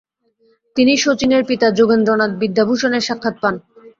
তিনি শচীনের পিতা যোগেন্দ্রনাথ বিদ্যাভূষণের সাক্ষাৎ পান।